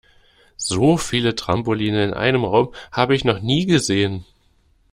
So viele Trampoline in einem Raum habe ich noch nie gesehen.